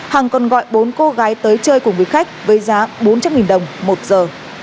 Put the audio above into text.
hằng còn gọi bốn cô gái tới chơi cùng với khách với giá bốn trăm linh đồng một giờ